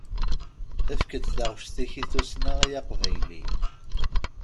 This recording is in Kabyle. Efk-d taɣect-ik i tussna, ay aqbayli.